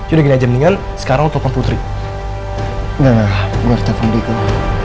udah gini aja mendingan sekarang tolong putri enggak gue telepon